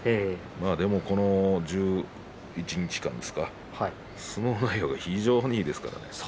まあでも、この１１日間ですか相撲内容が非常にいいですからね。